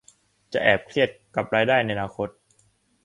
จะแอบเครียดกับรายได้ในอนาคต